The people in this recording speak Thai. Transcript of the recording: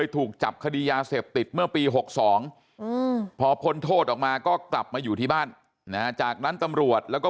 ติดเมื่อปี๖๒พอพ้นโทษออกมาก็กลับมาอยู่ที่บ้านนะจากนั้นตำรวจแล้วก็